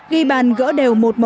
ghi bàn gỡ đều một một